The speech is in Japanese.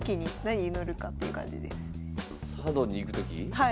はい。